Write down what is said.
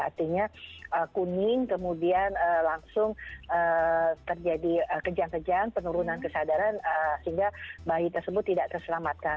artinya kuning kemudian langsung terjadi kejang kejang penurunan kesadaran sehingga bayi tersebut tidak terselamatkan